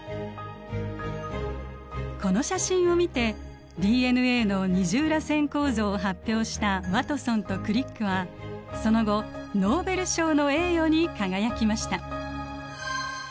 この写真を見てＤＮＡの二重らせん構造を発表したワトソンとクリックはその後ノーベル賞の栄誉に輝きました。